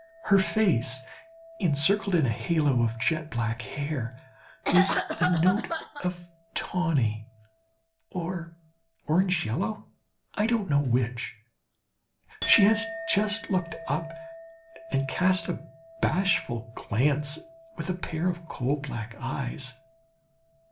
Her little face, encircled in a halo of jet black hair, is a note of tawny or orange yellow? I don't know which. She has just looked up and cast a bashful glance with a pair of coal black eyes.